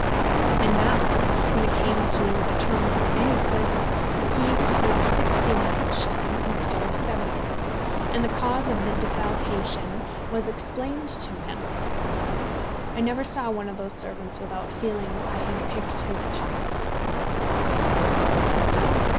And now, when it came to the turn of any servant, he received sixty nine shillings instead of seventy, and the cause of the defalcation was explained to him. I never saw one of those servants without feeling that I had picked his pocket.